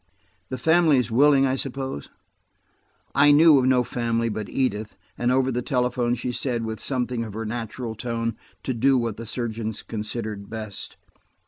The family is willing, I suppose?" I knew of no family but Edith, and over the telephone she said, with something of her natural tone, to do what the surgeons considered best.